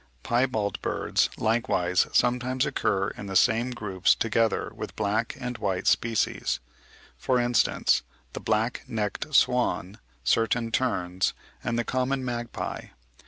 Piebald birds likewise sometimes occur in the same groups together with black and white species; for instance, the black necked swan, certain terns, and the common magpie.